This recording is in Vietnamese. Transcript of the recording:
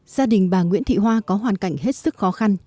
gia đình bà nguyễn thị hoa có hoàn cảnh hết sức khó khăn